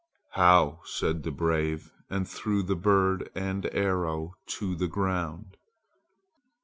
"How!" said the brave, and threw the bird and arrow to the ground.